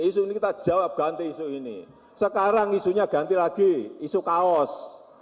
isu ini kita jawab ganti isu ini sekarang isunya ganti lagi isu kaos